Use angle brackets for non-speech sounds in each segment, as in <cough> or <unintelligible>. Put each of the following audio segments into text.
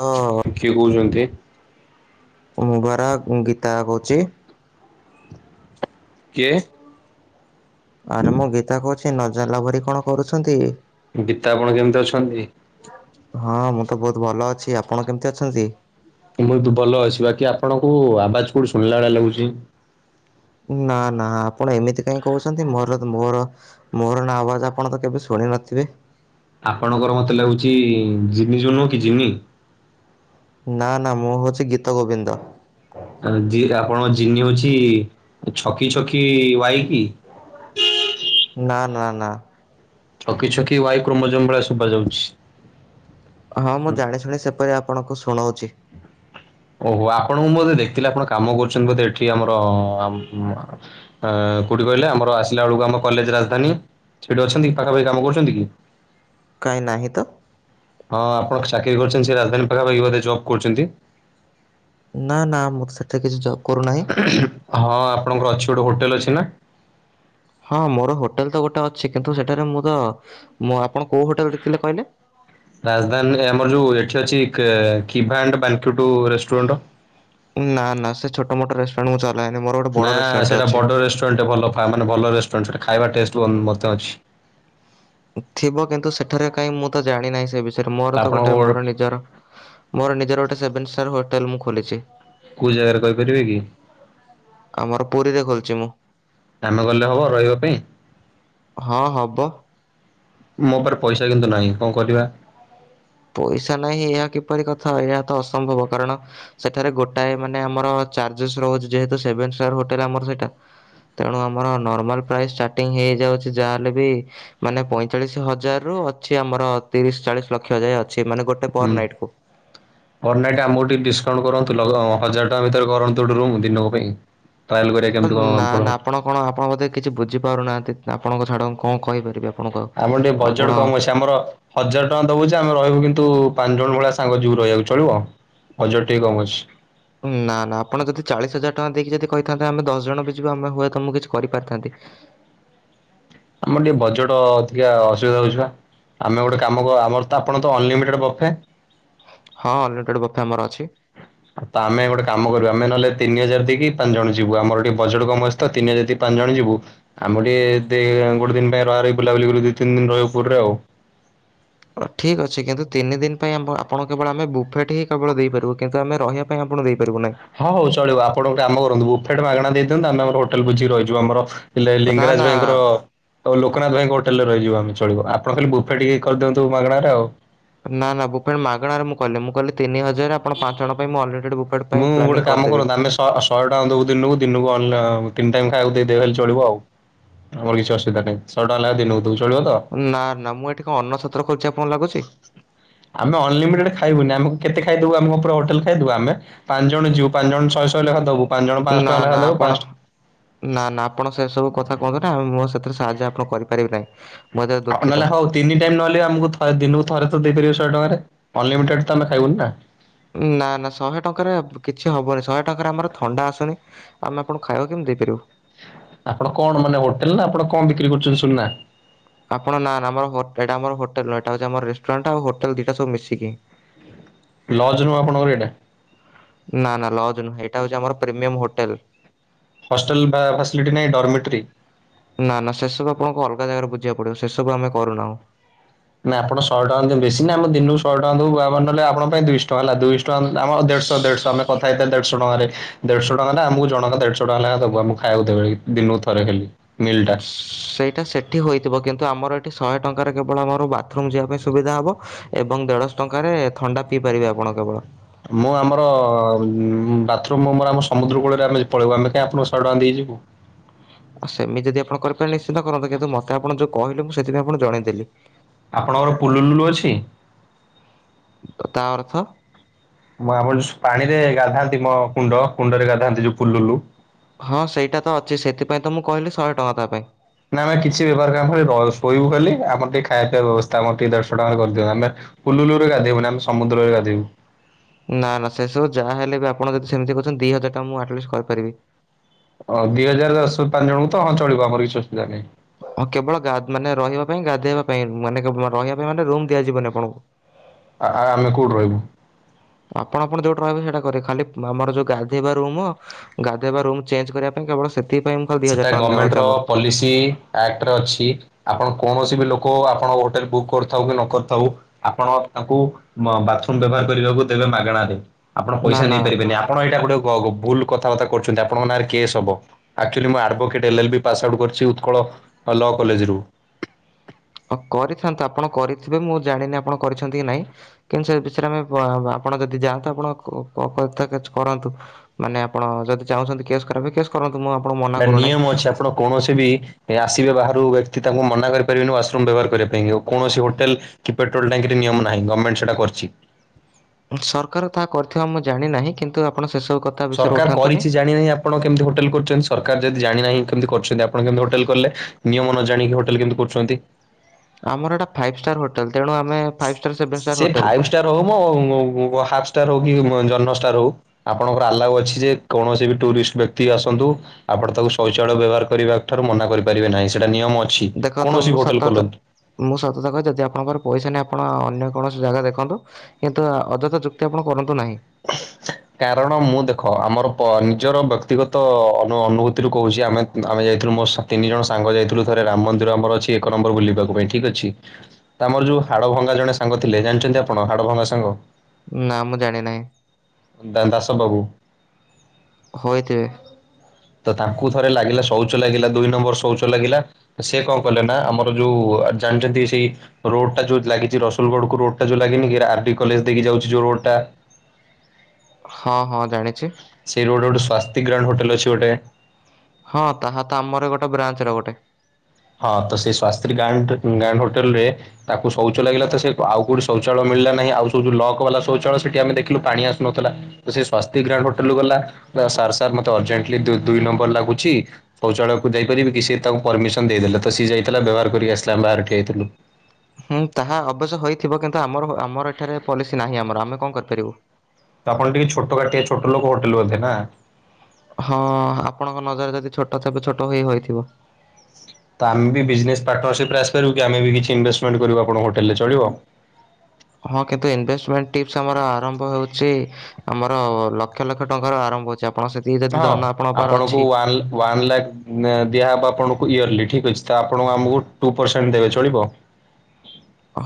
ହଁ କିଏ କହୁଛନ୍ତି? ମୁଁ ବାର ଗୀତା ଗାଉଛି। କିଏ? ଆରେ ମୁଁ ଗୀତା କହୁଛି ନ ଜାଣିଲା ପରି କଣ କରୁଛନ୍ତି? ଗିତା ଆପଣ କେମିତି ଅଛନ୍ତି? ହଁ ମୁଁ ତ ବହୁତ ଭଲ ଅଛି। ଆପଣ କେମିତି ଅଛନ୍ତି? ବହୁତ ଭଲ ଅଛି ବାକି ଆପଣଙ୍କୁ ଆବାଜ କୋଉଠି ଶୁଣିଲା ଭଳି ଲାଗୁଛି? ନା ନା ଆପଣ ଏମିତି କାଇ କହୁଛନ୍ତି ମୋର ମୋର ମୋର ନାଁ ଆବାଜ ଆପଣ ତ କେବେ ଶୁଣି ନଥିବେ। ଆପଣଙ୍କର ମତେ ଲାଗୁଛି ଜିନି ଜ ନୁହଁ କି ଜିନି ନା ନା ମୁଁ ହଉଛି ଗୀତଗୋବିନ୍ଦ। ଅ ଆପଣଙ୍କ ଜିନି ହଉଛି ଛକି ଛକି ୱାଇ କି? ନା ନା ନା। ଛକି ଛକି ୱାଇ କ୍ରୋମୋଜମ ଭଳି ଶୁଭାଯାଉଛି। ହଁ ମୁଁ ଜାଣି ଶୁଣି ସେପରି ଆପଣଙ୍କୁ ଶୁଣଉଛି। ଓହୋ ଆପଣନଙ୍କୁ ମୁଁ ବୋଧେ ଦେଖିଲା ଆପଣ କାମ କରୁଛନ୍ତି ବୋଧେ ଏଠି ଆମର ଆ ଅ କୋଉଠି କହିଲେ ଆମର ଆସିଲା ବେଳକୁ ଆମ କଲେଜ ରାଜଧାନୀ ସେଠି ଅଛନ୍ତି ପାଖାପାଖି କାମ କରୁଛନ୍ତି କି? କାହିଁ ନାହିଁ ତ! ହଁ ଆପଣ ଚାକିରି କରିଛନ୍ତି ସେ ରାଜଧାନୀ ପାଖାପାଖି ବୋଧେ ଜବ୍ କରୁଛନ୍ତି? ନା ନା ମୁଁ ତ ସେଠି କିଛି ଜବ୍ କରୁନାହିଁ। ହଁ ଆପଣଙ୍କର ଅଛି ଗୋଟେ ହୋଟେଲ ଅଛି ନା? ହଁ ମୋର ହୋଟେଲ ତ ଗୋଟେ ଅଛି କିନ୍ତୁ ସେଠାରେ ମୁଁ ତ ମୁଁ ଆପଣ କୋଉ ହୋଟେଲ ଦେଇଥିଲେ କହିଲେ? ରାଜଧାନୀ ଆମର ଯୋଉ ଏଠି ଅଛି କିଭାଣ୍ଡ ବାଲକୁଟ ରେଷ୍ଟୁରାଣ୍ଟ। ନା ନା ସେ ଛୋଟ ମୋଟ ରେସେ ମୁ ଚାଲା ଏନି ମୋର ଗୋଟେ ବଡ଼ ନା ରେଷ୍ଟୁରାଣ୍ଟ ସେଟା ଅଛି। ବଡ ରେଷ୍ଟୁରାଣ୍ଟ ଭଲ ମାନେ ଭଲ ରେଷ୍ଟୁରାଣ୍ଟ ସେଟା ଖାଇବା ଟେଷ୍ଟ ମତେ ଅଛି। ଥିବ କିନ୍ତୁ ସେଠାରେ କାଇହିଁ ମୁଁ ତ ଜାଣି ନାହିଁ ସେ ବିଷୟରେ ମୋର ତ ଆପଣଙ୍କ ଗୋଟେ ମୋର ନିଜର ମୋର ନିଜର ଗୋଟେ ସେଭେନ ଷ୍ଟାର୍ ହୋଟେଲ୍ ମୁଁ ଖୋଲିଛି। କୋଉ ଜାଗାରେ କହିପାରିବେ କି? ଆମର ପୁରିରେ ଖୋଲିଛି ମୁଁ। କାମ ଗଲେ ହବ ରହିବା ପାଇଁ? ହଁ ହବ। ମୋ ଉପରେ ପଇସା କିନ୍ତୁ ନାହିଁ କଣ କରିବା? ପଇସା ନାହିଁ ଏହା କିପରି କଥା ଏହା ତ ଅସମ୍ଭବ କାରଣ ସେଠାରେ ଗୋଟାଏ ମାନେ ଆମର ଚାର୍ଜସେ ରହୁଛି ଯେହେତୁ ସେଭେନ ଷ୍ଟାର୍ ହୋଟଲ ଆମର ସେଟା ତେଣୁ ଆମର ନର୍ମାଲ ପ୍ରାଇସ୍ ଷ୍ଟାର୍ଟିଂ ହେଇଯାଉଛି ଯାହାହେଲେ ବି ମାନେ ପଇଁଚାଳିଶ ହଜାର ରୁ ଅଛି ଆମର ତିରିଶ ଚାଳିଶ ଲକ୍ଷ ଯାଏ ଅଛି ମାନେ ଗୋଟେ ହୁଁ। ପର ନାଇଟ୍ କୁ। ପର ନାଇଟ୍ ଆମକୁ ଟିକେ ଡିସକାଉଣ୍ଟ କରନ୍ତୁ, ହଜାର ଟଙ୍କା ଭିତରେ କରନ୍ତୁ ଗୋଟେ ରୁମ୍ ଦିନକ ପାଇଁ। ଟ୍ରାଏଲ୍ କରିବାକି ନା ନା ଆପଣ କଣ ଆପଣ ବୋତେ କିଛି ବୁଝିପାରୁନାହାନ୍ତି, ଆପଣଙ୍କ ଛାଡ କଣ କହିପାରିବେ? ଆମର ଟିକେ ବଜେଟ କମ ଅଛି ଆମର ହଜାର ଟଙ୍କା ଦବୁ ଯେ ଆମେ ରହିବୁ କିନ୍ତୁ ପାଞ୍ଚ ଜଣ ଭଳିଆ ସାଙ୍ଗ ଯିବୁ ରହିବାକୁ ଚଳିବ? ହଜାର ଟିକେ କମ ଅଛି। ନା ନା ଆପଣ ଯଦି ଚାଳିଶ ହଜାର ଟଙ୍କା ଦେଇକି ଯଦି କହିଥାନ୍ତେ ଆମେ ଦଶ ଜଣ ବି ଯିବୁ ଆମେ ହୁଏତ ମୁଁ କିଛି କରିପାରିଥାନ୍ତି। ଆମର ଟିକେ ବଜେଟ ଟିକେ ଅସୁବିଧା ହଉଛି ପା। ଆମେ ଗୋଟେ କାମ କୁ ଆମର ତ ଆପଣ ତ ଅନଲିମିଟେଡ ବଫେ। ହଁ ଅନଲିମିଟେଡ଼ ବଫେ ଆମର ଅଛି। ତ ଆମେ ଗୋଟେ କାମ କରିବା, ଆମେ ନହେଲେ ତିନି ହଜାର ଦେଇକି ପାଞ୍ଚ ଜଣ ଯିବୁ, ଆମର ଟିକେ ବଜେଟ କମ ଅଛି। ତ ତିନି ହଜାର ଦେଇ ପାଞ୍ଚ ଜଣ ଯିବୁ। ଆମର ଟିକେ ଗୋଟେ ଦିନ ପାଇଁ ରହ ର ବୁଲାବୁଲିଲି ଦି ତିନି ଦିନ ରହିବୁ ଉ ପୁରୀରେ ଆଉ। ଠିକ୍ ଅଛି କିନ୍ତୁ ତିନି ଦିନ ପାଇଁ ଆମ ଆପଣ କେବଳ ଆମେ ବୁଫେଟ୍ ହିଁ କେବଳ ଦେଇପାରିବୁ କିନ୍ତୁ ଆମେ ରହିବା ପାଇଁ ଆପଣ ଦେଇପାରିବ ନା। ହଁ ହଉ ଚଳିବ ଆପଣ କାମ କରନ୍ତୁ ବୁଫେଡ ମାଗଣା ଦେଇଦିଅନ୍ତୁ, ଆମ ଆମର ହୋଟେଲ ବୁଝିକି ରହିିଯିବୁ ଆମର ହେଲେ ନା ନା ଲିଙ୍ଗରାଜ ଭାଇଙ୍କର ଆଉ ଲୋକନାଥ ଭାଇଙ୍କ ହୋଟେଲ ରେ ରହିଯିବ ଆମେ ଚଳିବ, ଆପଣ ଖାଲି ବୁଫେ ଟିକେ କରିଦିଅନ୍ତୁ ମାଗଣାରେ ଆଉ। ନା ନା ବୁଫେ ମାଗଣାରେ ମୁ କହିଲି ନେଇ ମୁଁ କହିଲି ତିନି ହଜାର ଆପଣ ପାଞ୍ଚଜଣ ପାଇଁ ମୁଁ ଅଲରେଡି ବୁ ମୁଁ ଗୋଟେ କାମ କରନ୍ତୁ ଆମେ ତ ଶହେ ଟଙ୍କା ଦବୁ ଦିନକୁ, ଦିନକୁ ତିନି ଟାଇମ୍ ଖାଇବାକୁ ଦେଇଦେବେ ହେଲେ ଚଳିବ ଆଉ। ଆମର କିଛି ଅସୁବିଧା ନାହିଁ, ଶହ ଟଙ୍କା ଲାଖେ ଦିନକୁ ଦବୁ ଚଳିବ ତ? ନା ନା ମୁଁ ଏଠି କଣ ଅନ ତ୍ର କରିଛି ଆପଣ ଲାଗୁଛି? ଆମେ ଅନଲିମିଟେଡ ଖାଇବୁନି, ଆମକୁ କେତେ ଖାଇଦବୁ ଆମ ପୁରା ହୋଟେଲ ଖାଇଦବୁ, ଆମେ ପାଞ୍ଚ ଜଣ ଯିବୁ, ପାଞ୍ଚ ଜଣ ଶହେ ଶହେ ଟଙ୍କା ଦବୁ, ପାଞ୍ଚ ଜଣ ପାଆଁସ ନା ଟଙ୍କା ନା ଲେଖା ଦବୁ ଆପଣ ପାଞ୍ଚ ନା ନା ଆପଣ ସେ ସବୁ କଥା କୁହନ୍ତୁ ନି, ମୁଁ ସେଥିରେ ସାହାଯ୍ୟ ଆପଣ କରିପାରିବେ ନାହିଁ। ମୁଁ ଏଥିରେ ଦୁଃଖିତ। ନହେଲେ ହଉ। ତିନି ଟାଇମ୍ ନହଲେ ଆମ ଦିନକୁ ଥରେ ତ ଦେଇପାରିବ ଶହେ ଟଙ୍କାରେ ଅ ଅନଲିମିଟେଡ ତ ଆମେ ଖାଇବୁନି ନା? ନା ନା ଶହେ ଟଙ୍କାରେ କିଛି ହବନି, ଶହେ ଟଙ୍କାରେ ଆମର ଥଣ୍ଡା ଆସୁନି। ଆମେ ଆପଣଙ୍କୁ ଖାଇବା କେମତି ଦେଇପାରିବୁ? ଆପଣ କଣ ମାନେ ହୋଟେଲ ନା ଆପଣ କଣ ବିକ୍ରି କରୁଛନ୍ତି ସୁନା। ଆପଣ ନା ନା ଏଇଟା ଆମର ହୋଟେଲ ଏଇଟା ହଉଛି ଆମର ରେଷ୍ଟରାଣ୍ଟ ଆଉ ହୋଟେଲ ଦିଟା ସବୁ ମିଶିକି। ଲଜ୍ ନୁହଁ ଆପଣଙ୍କର ଏଇଟା? ନା ନା ଲଜ୍ ନୁହଁ, ଏଇଟା ହଉଛି ଆମ ପ୍ରିମିୟମ୍ ହୋଟେଲ। ହଷ୍ଟେଲ ଫସିଲିଟି ନାଇଁ ଡର୍ମେଟରୀ? ନା ନା ସେ ସବୁ ଆପଣଙ୍କୁ ଅଲଗା ଜାଗାରେ ବୁଝିବା ପଡିବ, ସେ ସବୁ ଆମେ କରୁନାହୁଁ। ନା ଆପଣ ଶହ ଟଙ୍କା ଦିଅନ୍ତୁ ବେଶୀ ନା ଆମ ଦିନକୁ ଶହ ଟଙ୍କା ଦେବୁ, ନହେଲେ ଆପଣ ପାଇଁ ଦୁଶ ଟଙ୍କ ହେଲା ଦୁଇଶ ଆମ ଦେଢଶହ ଦେଢଶହ ଆମେ କଥା ହେଇଥିଲେ ଦେଢଶହ ଟଙ୍କାରେ। ଦେଢଶ ଟଙ୍କା ନା ଆମକୁ ଜଣଙ୍କା ଦେଢଶ ଟଙ୍କା ଲେଖା ଦୋବୁ ଆମୁକୁ ଖାଇବାକୁ ଦେବେଳିକି ଦିନୁକୁ ଥରେ ଖାଲି ମିଲଟା। ସେଇଟା ସେଇଠି ହୋଇଥିବ କିନ୍ତୁ ଆମର ଏଇଠି ଶହେ ଟଙ୍କାରେ କେବଳ ଆମର ବାଥରୁମ୍ ଯିବା ପାଇଁ ସୁବିଧା ହେବ ଏବଂ ଦେଢଶହ ଟଙ୍କାରେ ଥଣ୍ଡା ପିଇ ପାରିବେ ଆପଣ କେବଳ। ମୁଁ ଆମର ବାଥରୁମ ମୋର ଆମ ସମୁଦ୍ର କୂଳରେ ଆମେ ପଳେଇବୁ ଆମେ କାଇହିଁ ଆପଣ ଶହେ ଟଙ୍କା ଦେଇଯିବୁ। ଆ ସେମି ଯଦି ଆପଣ କରିପାରେ ନିଶ୍ଚିନ୍ତ କରନ୍ତୁ, ମତେ ଆପଣ ଯୋଉ କହିଲେ ମୁଁ ସେଥିପାଇଁ ଆପଣ ଜଣେଇଦେଲି। ଆପଣଙ୍କର ପୁଲୁ ଲୁଲ ଅଛି? ତ ତା ଅର୍ଥ? ମୁଁ ଆମ ପାଣିରେ ଗାଧାନ୍ତି ମ କୁଣ୍ଡ, କୁଣ୍ଡରେ ଗାଧାନ୍ତି ଯୋଉ ଫୁଲଲୁ ହଁ ସେଇଟା ତ ଅଛି, ସେଥିପାଇଁ ତ ମୁଁ କହିଲି ଶହେ ଟଙ୍କା ତା ପାଇଁ। ନା ଆମେ କିଛି ବ୍ୟବହାର <unintelligible> ଶୋଇବୁ ଖାଲି, ଆମର ଟିକେ ଖାଇବା ପିଇବା ବ୍ୟବସ୍ଥା ଆମର ଟିକେ ଦେଡ଼ଶ ଟଙ୍କାରେ କରିଦିଅ ଆମେ ପୁଲୁଲୁରେ ଗାଧେଇବୁନି ଆମେ ସମୁଦ୍ରରେ ଗାଧୋଇବୁ। ନା ନା ସେ ସବୁ ଯାହା ହେଲେ ବି ଆପଣ ଯଦି ସେମିତିହୁଛନ୍ତି ଦି ହଜାର ଟଙ୍କା ମୁଁ ଆଟଲିଷ୍ଟ କରିପାରିବି। ଓ ଦିଇ ହଜାର ଦଶରୁ ପାଞ୍ଚ ଜଣଙ୍କୁ ତ ହଁ ଚଳିବ ଆମର କିଛି ଅସୁବିଧା ନାହିଁ। ହଁ କେବଳ ଗ ମାନେ ରହିବା ପାଇଁ ଗାଧୋଇବା ପାଇଁ ମାନେ ରହିବା ପାଇଁ ମାନେ ରୁମ ଦିଆଯିବନି ଆପଣଙ୍କୁ। ଆ ଆ ଆମେ କୋଉଠି ରହିବୁ? ଆପଣ ଆପଣ ଯେଉଁଟା ରହିବେ ସେଇଟା କରେ ଖାଲି ଆମର ଯେଉଁ ଗାଧୋଇବା ରୁମ୍ ଗାଧୋଇବା ରୁମ୍ ଚେଞ୍ଜ କରିବା ପାଇଁ କେବଳ ସେଥିପାଇଁ ଖାଲି ଦି ହଜାର ସେଇଟା ଟଙ୍କା ନେଉଅଛି ଗମେଣ୍ଟର ଆମର ପଲିସି ଆକ୍ଟରେ ଅଛି ଆପଣ କୌଣସି ବି ଲୋକ ଆପଣ ହୋଟେଲ ବୁକ୍ କରିଥାଉ କି ନ କରିଥାଉ ଆପଣ ତାଙ୍କୁ ବାଥରୁମ ବ୍ୟବହାର କରିବାକୁ ଦେବେ ମାଗଣାରେ। ଆପଣ ନା ପଇସା ନା ନେଇପାରିବେନି ଆପଣ ଏଇଟା ଗୋଟେ ଭୁଲ କଥାବାର୍ତ୍ କରୁଛନ୍ତି ଆପଣଙ୍କ ନାଁରେ କେସ୍ ହେବ। ଆକ୍ଚୁଆଲି ମୁଁ ଆଡଭୋକେଟ୍ଲ L L B pass out କରିଛି ଉତ୍କଳ ଲ କଲେଜରୁ। ହଁ କରିଥାନ୍ତୁ ଆପଣ କରିଥିବେ ମୁଁ ଜାଣିନି ଆପଣ କରିଛନ୍ତି କି ନାହିଁ। କିନ୍ତୁ ସେ ବିଷୟରେ ଆମେ ଆପଣ ଯଦି ଯାଆନ୍ତୁ ଆପଣ କ କ କଥା କିଛି କରାନ୍ତୁ। ମାନେ ଆପଣ ଯଦି ଚାହୁଁଛନ୍ତି କେସ୍ କରା ବାକୁ କେସ୍ କରନ୍ତୁ ମୁଁ ଆପଣଙ୍କୁ ମାନ ଏଟା ନିୟମ ଅଛି ଆପଣ କୌଣସି ବି ଆସିବେ ବାହାରୁ ବ୍ୟକ୍ତି ତାଙ୍କୁ ମନା କରିପାରିବେନି ୱାସରୁମ ବ୍ୟବହାର କରିବା ପାଇଁ କୌଣସି ହୋଟେଲ କି ପେଟ୍ରୋଲ ଟଙ୍କିରେ ନିୟମ ନାହିଁ ଗମେଣ୍ଟ ସେଟା କରିଛି। ସରକାର ତାହା କରିଥିବା ମୁଁ ଜାଣିନାହିଁ କିନ୍ତୁ ଆପଣ ସେ ସବୁ କ ସରକାର କରିଛି ଜାଣିନି ଆ ଆପଣ କେମତି ହୋଟେଲ୍ କରିଛନ୍ତି। ସରକାର ଯଦି ଜାଣିନାହି କେମିତି କରିଛନ୍ତି ଆପଣ କେମିତି ହୋଟେଲ କଲେ ନିୟମ ନ ଜାଣିକି ହୋଟେଲ କେମିତ୍ କୁରୁଛନ୍ତି। ଆମର ଏଇଟା ଫାଇପୀ ଷ୍ଟାର ହୋଟଲ। ତେଣୁ ଆମେ ପାଇପି ଷ୍ଟାର ସେଭେନ୍ ଷ୍ଟାର୍ ସେ ହୋଟେଲ। ଫାଇଭ ହଉ ମ ହାପ୍ ଷ୍ଟାର ହଉ କି ଜନ୍ହ ଷ୍ଟାର ହଉ। ଆପଣଙ୍କର ଆଲାୱ ଅଛି ଯେ କୌଣସି ବି ଟୁରିଷ୍ଟ ବ୍ୟକ୍ତି ଆସନ୍ତୁ ଆପଣ ତାକୁ ଶୌଚାଳୟ ବ୍ୟବହାର କରିବା ଠାରୁ ମନା କରିପାରିବେ ନାହିଁ। ସେଇଟା ନିୟମ ଅଛି ଦେଖନ୍ତୁ କୌଣସି ହୋଟେଲ ଖୋଲନ୍ତୁ। ମୁଁ ସତ କହିବି ଯଦି ଆପଣଙ୍କର ପଇସା ନାହିଁ। ଆପଣ ଅନ୍ୟ କୌଣସି ଜାଗା ଦେଖନ୍ତୁ। କିନ୍ତୁ ଅଯଥା ଯୁକ୍ତି ଆପଣ କରନ୍ତୁ ନାହିଁ। କାରଣ ମୁଁ ଦେଖ ଆମର ପ ନିଜର ବ୍ୟକ୍ତିଗତ ଅନ ଅନୁଭୂତିରୁୁ କହୁଛି ଆମେ ଆମେ ଯାଇଥିଲୁ ମୋ ତିନି ଜଣ ସାଙ୍ଗ ଯାଇଥିଲୁ ଥରେ ରାମ ମନ୍ଦିର ଆମର ଅଛି ଏକ ନମ୍ବର ବୁଲିବାକୁ ପାଇଁ ଠିକ୍ ଅଛି। ଆମର ଯୋଉ ହାଡଭଙ୍ଗା ଜଣେ ସାଙ୍ଗ ଥିଲେ ଜାଣିଛନ୍ତି ଆପଣ ହାଡଭଙ୍ଗା ସାଙ୍ଗ? ନା ମୁଁ ଜାଣି ନାହିଁ। ଦାସ ବାବୁ। ହୋଇଥିବେ। ତ ତାଙ୍କୁ ଥରେ ଲାଗିଲା ଶୌଚ ଲାଗିଲା ଦୁଇ ନମ୍ବର ଶୌଚ ଲାଗିଲା। ସେ କଣ କଲେ ନା ଆମର ଯୋଉ ଜାଣିଛନ୍ତି ସେଇ ରୋଡ ଟା ଯୋଉ ଲାଗିଛି ରସଲୁଗଡ କୁ ରୋଡ ଟା ଯୋଉ ଲାଗିନି କି ଆର ଡି କଲେଜ ଦେଇକି ଯାଉଛି ଯୋଉ ରୋଡ ଟା। ହଁ ହଁ ଜାଣିଛି। ସେଇ ରୋଡ ରେ ଗୋଟ ସ୍ଵସ୍ତି୍ଗ୍ରାଉଣ୍ଡ ହୋଟେଲ ଅଛି ଗୋଟେ। ହଁ ତାହା ତ ଆମର ଗୋଟେ ବ୍ରାଞ୍ଚର ଗୋଟେ। ହଁ ତ ସେଇ ଶାସ୍ତ୍ରୀ ଗ୍ରାଣ୍ଟ ଗ୍ରାଣ୍ଡ ହୋଟେଲ ରେ ତାକୁ ଶୌଚ ଲାଗିଲା ତ ସେ ଆଉଠି ଶୌଚଳୟ ମିଳିଲାନାହିଁ। ଆଉ ସୋଉ ଯଉ ଲକ୍ ବାଲା ଶୌଚାଳ ସେଠି ଆମେ ଦେଖିଲୁ ପାଣି ଆସୁନଥିଲା। ସେ ସ୍ୱାସ୍ଥ୍ୟ ଗ୍ରାଣ୍ଡ ହୋଟେଲ କୁ ଗଲା ସର ସାର୍ ମତେ ଅର୍ଜେଣ୍ଟଲି ଦୁଇ ନମ୍ବର ଲାଗୁଛି ଶୌଚାଳୟ କୁ ଯାଇପାରିବି କିି? ସେ ତାଙ୍କୁ ପରମିସନ ଦେଇଦେଲେ ତ ସିଏ ଯାଇଥିଲା ବ୍ୟବହାର କରିକି ଆସିଲା ଆମେ ବାହାରେ ଠିଆ ହେଇଥିଲୁ। ହୁଁ ତାହା ଅବଶ୍ୟ ହୋଇଇଥିବ କିନ୍ତୁ ଆମର ଆମର ଏଠାରେ ପଲିସି ନାହିଁ ଆମର ଆମେ କଣ କରିପାରିବୁ। ଆପଣ ଟିକେ ଛୋଟ କାଟିଆ ଛୋଟ ଲୋକ ହୋଟେଲ ବୋଧେ ନା? ହଁ ଆପଣଙ୍କ ନଜରରେ ଯଦି ଛୋଟ ତେବେ ଛୋଟ ହେଇ ହୋଇଇଥିବ। ତ ଆମେ ବିଜନେସ୍‌ ପାଟର୍ନରସିପରେ ଆସିପାରିବୁ କି ଆମେ ବି କିଛି ଇନଭେଷ୍ଟମେଣ୍ଟ କରିବୁ ଆପଣଙ୍କ ହୋଟଲରେ ଚଳିବ? ହଁ କିନ୍ତୁ ଇନଭେଷ୍ଟମେଣ୍ଟ ଟିପସ ଆମର ଆରମ୍ଭ ହେଉଛି ଆମର ଲକ୍ଷ ଲକ୍ଷ ଟଙ୍କାର ଆରମ୍ଭ ଆପଣ ସେତିକି ଯଦି ହଁ! ଧନ ଆପଣଙ୍କ ପାଖରେ ଅଛି ଆପଣଙ୍କୁ----ୱାନ୍‌ ଲା ଦିଆ ହେବ ଆପଣଙ୍କୁ ଇୟରଲି ଠିକ୍ ଅଛି, ତ ଆପଣଙ୍କୁ ଆମକୁ ଟୁ ପର୍ସେଣ୍ଟ୍ ଦେବେ ଚଳିବ।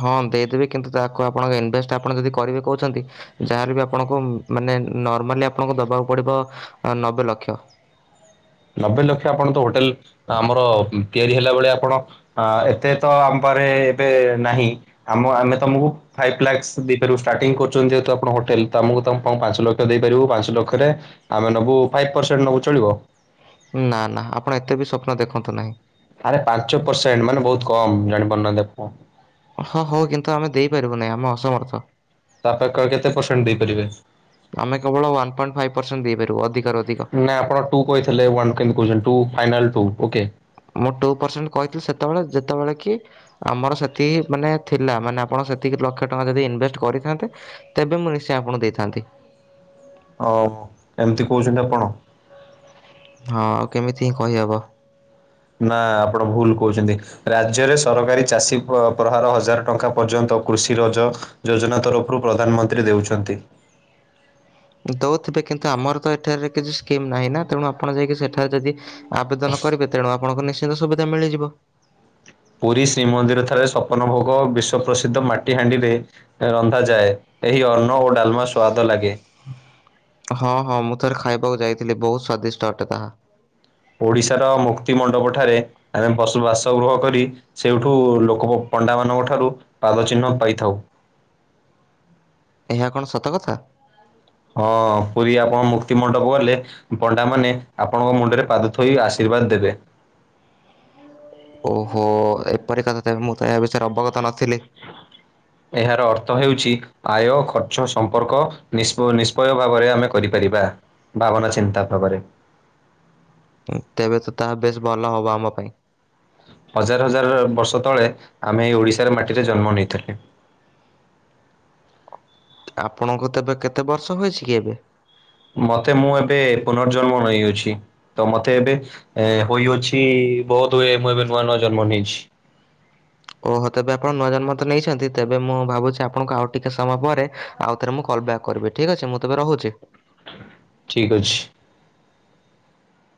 ହଁ! ଦେଇ ଦେବି କିନ୍ତୁ କୁ ଆପଣଙ୍କ ଇନଭେଷ୍ଟ୍ ଆପଣ ଯଦି କରିବେ କହୁଚନ୍ତି। ଯାହା ବି ଆପଣଙ୍କୁ, ମାନେ ନର୍ମାଲି ଆପଣଙ୍କୁ ଦବାକୁ ପଡ଼ିବ ନବେ ଲକ୍ଷ। ନବେ ଲକ୍ଷ ଆପଣ ତ, ହୋଟେଲ୍ ଆମର ତିଆରି ହେଲା ଭଳିଆ ଆପଣ ଏତେ ତ ଆମ ପାଖରେ ଏବେ ନାହିଁ, ଆମେ ତମୁକୁ ଫାଇପ୍ ଲା ଦେଇ ପାରିବୁ, ଷ୍ଟାଟିଙ୍ଗ୍ କରୁଚନ୍ତି ଯେହେତୁ ଆପଣ ହୋଟେଲ୍, ପାଞ୍ଚ୍ ଲକ୍ଷ ଦେଇପାରିବୁ। ପାଞ୍ଚ୍ ଲ---ରେ ଆମେ ନବୁ ଫାଇପ୍ ପର୍ସେଣ୍ଟ୍ ନବୁ ଚଳିବ। ନା ନା, ଆପଣ ଏତେ ବି ସ୍ୱପ୍ନ ଦେଖନ୍ତୁ ନାହିଁ। ଆରେ ପାଞ୍ଚ ପର୍ସେ------ମାନେ ବହୁତ୍ କମ୍, ଜାଣି ପାରୁନାହାନ୍ତି ହଁ! ହଉ କିନ୍ତୁ ଆମେ ଦେଇପାରିବୁ ନା, ଆମେ ଅସମର୍ଥ। କେତେ ପର୍ସେଣ୍ଡ୍ ଦେଇପାରିବେ? ଆମେ କେବଳ ୱାନ୍ ପଏ---ଫାଇପ୍ ପର୍ସେ ଦେଇପାରିବୁ, ଅଧିକାରୁ ଅଧିକ। ନାଇଁ ଆପଣ ଟୁ କହିଥିଲେ, ୱାନ୍‌ କେ----------ଫାଇନାଲ୍ ଟୁ ଓକେ। ପରସେଣ୍ଟ୍ କହିଥି, ସେତବଳେ ଯେତବଳେ କି ଆମର ସେ ମାନେ ଥିଲା, ମାନେ ଆପଣ ସେତିକି ଲକ୍ଷ ଟଙ୍କା ଯଦି ଇନଭେଷ୍ଟ୍ କରିଥାନ୍ତେ। ତେବେ ମୁଁ ନି ଆପଣ ଦେଇଥାନ୍ତି। ଏମ୍ତି କହୁଚନ୍ତି ଆପଣ। ହଁ, କେମିତି ହିଁ କହି ହେବ। ନା, ଆପଣ ଭୁଲ୍ କହୁଚନ୍ତି। ରାଜ୍ୟରେ ସରକାରୀ ଚାଷୀ ପ୍ରହାର ହଜାରେ ଟଙ୍କା ପର୍ଯ୍ୟନ୍ତ କୃଷି ରଜ ଯୋଜନା ତରଫ୍ ରୁ ପ୍ରଧାନମନ୍ତ୍ରୀ ଦେଉଛନ୍ତି। ଦଉଥିବେ କିନ୍ତୁ ଆମର ତ ଏଠାରେ କିଛି ସ୍କିମ୍ ନାହିଁ ନା, ତେଣୁ ଆପଣ ଯାଇକି ସେଠାରେ ଯଦି ଆବେଦନ କରିବେ, ତେଣୁ ଆପଣଙ୍କୁ ନିଶ୍ଚିନ୍ତ ସୁବିଧା ମିଳିଯିବ। ପୁରୀ ଶ୍ରୀମନ୍ଦିର ରେ ସପନ ଭୋଗ, ବିଶ୍ଵ ପ୍ରସିଦ୍ଧ ମାଟି ହାଣ୍ଡିରେ ରନ୍ଧାଯାଏ, ଏହି ଅନ୍ନ ଓ ଡାଲ୍ମା ସୁଆଦ ଲାଗେ। ହଁ ହଁ ମୁଁ ଥରେ ଖାଇବାକୁ ଯାଇଥିଲି, ବହୁତ୍ ସ୍ଵାଦିଷ୍ଟ ଅଟେ ତାହା। ଓଡ଼ିଶାର ମୁକ୍ତି ମଣ୍ଡପ ଠାରେ। ଆମେ ବାସଗୃହ କରି, ସେଉଠୁ ଲୋକ ପଣ୍ଡା ମାନଙ୍କ ଠାରୁ ପାଦ ଚିହ୍ନ ପାଇଥାଉ। ଏହା କ'ଣ ସତ କଥା? ହଁ! ପୁରୀ ଆପ ମୁକ୍ତି ମଣ୍ଡପ୍ ଗଲେ। ପଣ୍ଡା ମାନେ, ଆପଣଙ୍କ ମୁଣ୍ଡରେ ପାଦ ଥୋଇ ଆ--ର୍ବାଦ୍‌ ଦେବେ। ଓହୋ, ଏପରି କଥା ବେ ମୁଁ ତ ଏହା ବିଷୟରେ ଅବଗତ ନଥିଲି। ଏହାର ଅର୍ଥ ହେଉଚି ଆୟ, ଖର୍ଚ୍ଚ, ସମ୍ପର୍କ ନିଷ୍ପୟ ଭାବରେ ଆମେ କରିପାରିବା ଭାବନା ଚିନ୍ତା ତେବେ ତ ତାହା ବେଶ୍ ଭଲ ହବ ଆମ ପାଇଁ। ହଜାର୍ ହଜାର୍ ବର୍ଷ ତଳେ, ଆମେ ଏଇ ଓଡ଼ିଶାର ମାଟିରେ ଜନ୍ମ ନେଇ ଆପଣଙ୍କୁ ତେବେ କେତେ ବର୍ଷ ହୋଇଛି କି ଏବେ? ମତେ, ମୁଁ ଏବେ ପୁନର୍ଜନ୍ମ ନେଇଅଛି। ତ ମତେ ଏବେ ହୋଇଅଛି, ବୋଧ ହୁଏ ମୁଁ ଏବେ ନୂଆ ନୂଆ ଜନ୍ମ ନେଇଛି। ଓହଃ, ତେବେ ଆପଣ ନୂଆ ଜନ୍ମ ତ ନେଇଛନ୍ତି। ତେବେ ମୁଁ ଭାବୁ ଆପଣଙ୍କୁ ଆଉ ଟିକେ ସମୟ ପରେ ଆଉ ଥରେ ମୁଁ କଲ୍ ବ୍ୟାକ୍ କରିବି, ଠିକ୍ ଅଛି ମୁଁ ତେବେ ରହୁଚି। ଠିକ୍ ଅଛି।